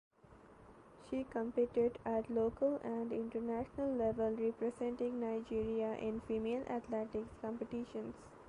She competed at local and international level representing Nigeria in female athletics competitions.